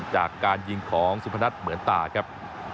จากการยิงของสุพนัทเหมือนตาครับ